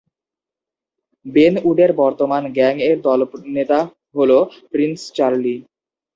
Ben উডের বর্তমান gang এর দলনেতা হল প্রিন্স চার্লি।